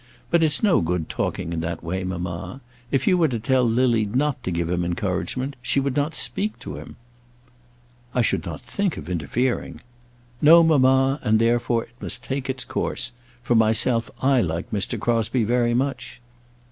But it's no good talking in that way, mamma. If you were to tell Lily not to give him encouragement, she would not speak to him." "I should not think of interfering." "No, mamma; and therefore it must take its course. For myself, I like Mr. Crosbie very much."